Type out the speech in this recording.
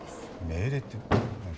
命令って何？